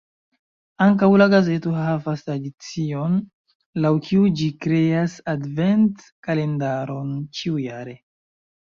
Ankaŭ la gazeto havas tradicion, laŭ kiu ĝi kreas advent-kalendaron ĉiujare.